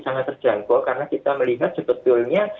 sangat terjangkau karena kita melihat sebetulnya